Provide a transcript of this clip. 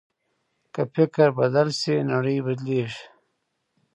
که فکر بدل شي، نړۍ بدلېږي.